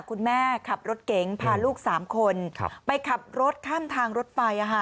คนขับรถเก๋งพาลูก๓คนไปขับรถข้ามทางรถไฟ